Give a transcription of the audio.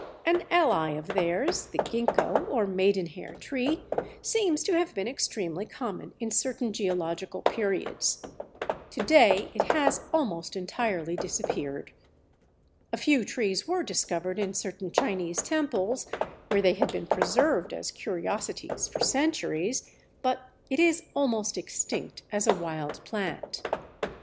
An ally of theirs, the Ginkgo or Maidenhair tree, seems to have been extremely common in certain geological periods. To day it has almost entirely disappeared. A few trees were discovered in certain Chinese temples, where they had been preserved as curiosities for centuries, but it is almost extinct as a wild plant.